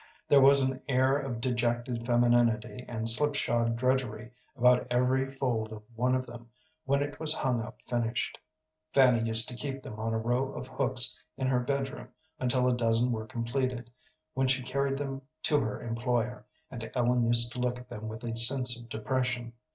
There was an air of dejected femininity and slipshod drudgery about every fold of one of them when it was hung up finished. Fanny used to keep them on a row of hooks in her bedroom until a dozen were completed, when she carried them to her employer, and Ellen used to look at them with a sense of depression.